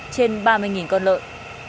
trên ba mươi con lợi